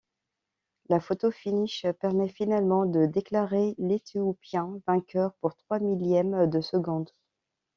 La photo-finish permet finalement de déclarer l'Éthiopien vainqueur pour trois millièmes de seconde.